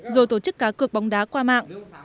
rồi tổ chức cá cược bóng đá qua mạng